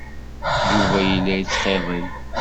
Yuba yella yettxiḍi.